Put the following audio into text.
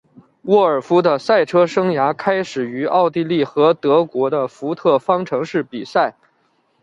沃尔夫的赛车生涯开始于奥地利和德国的福特方程式比赛。